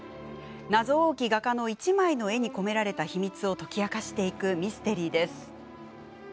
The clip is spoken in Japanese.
謎多き画家の１枚の絵に込められた秘密を解き明かしていくミステリーです。